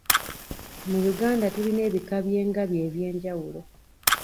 Mu Uganda tulina ebika by'engabi eby'enjawulo.